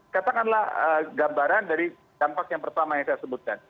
katakanlah gambaran dari dampak yang pertama yang saya sebutkan